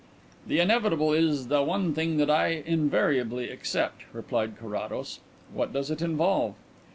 "The inevitable is the one thing that I invariably accept," replied Carrados. "What does it involve?"